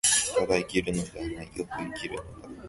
ただ生きるのではない、善く生きるのだ。